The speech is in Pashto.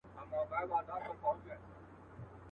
یو عرب وو په صحرا کي را روان وو.